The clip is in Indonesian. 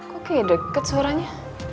kok kayak deket suaranya